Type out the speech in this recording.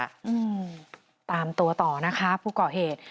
อืมตามตัวต่อนะครับผู้เกาะเหตุ